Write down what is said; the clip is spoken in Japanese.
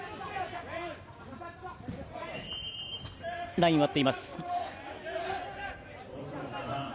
ラインを割っています。